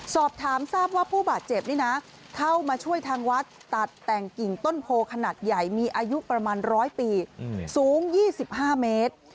สอบถามทราบว่าผู้บาดเจ็บนี่นะเข้ามาช่วยทางวัดตัดแต่งกิ่งต้นโพขนาดใหญ่มีอายุประมาณ๑๐๐ปีสูง๒๕เมตร